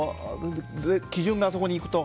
基準があそこにいくと。